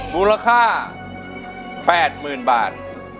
มูลค่า๘๐๐๐บาท